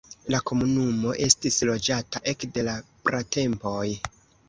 La komunumo estis loĝata ekde la pratempoj.